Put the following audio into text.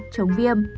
năm chống viêm